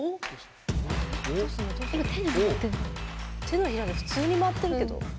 手のひらで普通に回ってるけど。